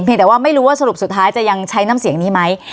แต่ว่าไม่รู้ว่าสรุปสุดท้ายจะยังใช้น้ำเสียงนี้ไหม